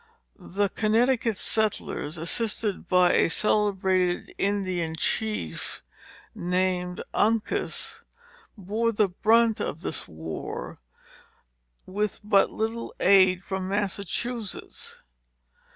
The Connecticut settlers, assisted by a celebrated Indian chief, named Uncas, bore the brunt of this war, with but little aid from Massachusetts.